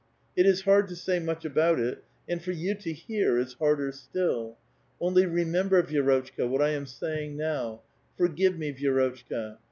It is hard to say much about it, and for you to i^^ar is harder still. Onlv remember, Vi^rotchka, what I am ^^yiixg now. Forgive me, Vi^rotchka.